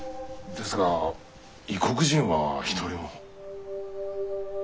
ですが異国人は一人も。